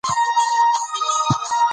ملالۍ د چا لور وه؟